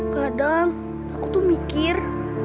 kadang aku tuh mikir